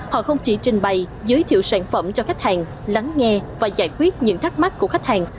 họ không chỉ trình bày giới thiệu sản phẩm cho khách hàng lắng nghe và giải quyết những thắc mắc của khách hàng